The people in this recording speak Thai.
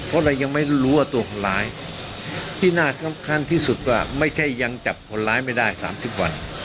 เพราะเรายังไม่รู้ว่าตัวคนร้ายที่น่าสำคัญที่สุดว่าไม่ใช่ยังจับคนร้ายไม่ได้๓๐วัน